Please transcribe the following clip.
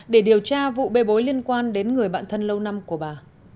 để điều tra vụ bê bối liên quan đến người bạn thân lâu năm của bà